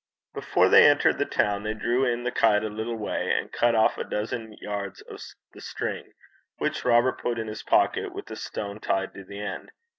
Before they entered the town they drew in the kite a little way, and cut off a dozen yards of the string, which Robert put in his pocket, with a stone tied to the end.